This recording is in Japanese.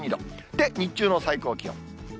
で、日中の最高気温。